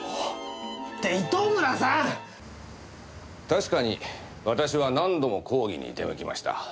確かに私は何度も抗議に出向きました。